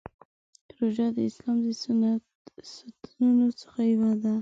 روژه د اسلام د ستنو څخه یوه ده.